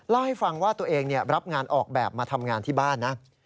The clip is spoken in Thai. เล่าให้ฟังว่าตัวเองรับงานออกแบบมาทำงานที่บ้านนะ